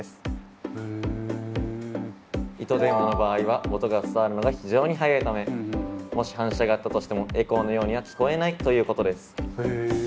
糸電話の場合は音が伝わるのが非常に速いためもし反射があったとしてもエコーのようには聞こえないということです。